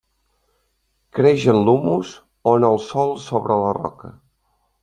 Creix en l'humus, o en el sòl sobre la roca.